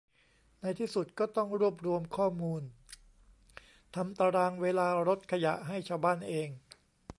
ในที่สุดก็ต้องรวบรวมข้อมูลทำตารางเวลารถขยะให้ชาวบ้านเอง